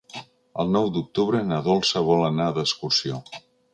El nou d'octubre na Dolça vol anar d'excursió.